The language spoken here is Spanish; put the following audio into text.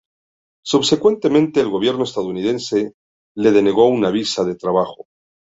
Subsecuentemente, el gobierno estadounidense le denegó una visa de trabajo.